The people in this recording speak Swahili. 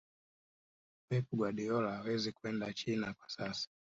pep guardiola hawezi kwenda china kwa sasa